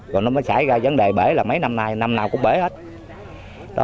rồi nó mới xảy ra vấn đề bể là mấy năm nay năm nào cũng bể hết